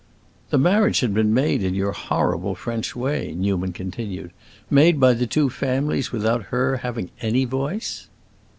"The marriage had been made in your horrible French way," Newman continued, "made by the two families, without her having any voice?"